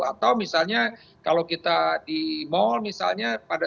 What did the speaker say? atau misalnya kalau kita di mall misalnya pandang ke tembok ya